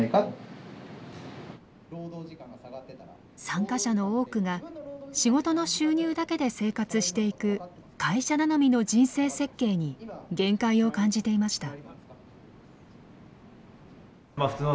参加者の多くが仕事の収入だけで生活していく会社頼みの人生設計に限界を感じていました。